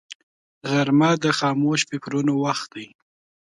غرمه د خاموش فکرونو وخت دی